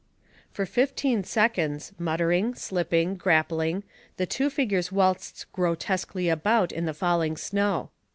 For fifteen seconds, muttering, slipping, grappling, the two figures waltzed grotesquely about in the falling snow.